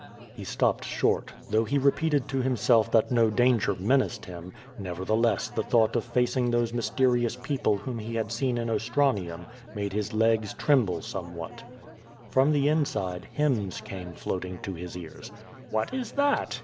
He stopped short. Though he repeated to himself that no danger menaced him, nevertheless the thought of facing those mysterious people whom he had seen in Ostranium, made his legs tremble somewhat. From the inside, hymns came floating to his ears. "What is that?"